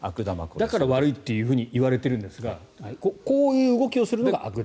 だから悪いといわれているんですがこういう動きをするのが悪玉。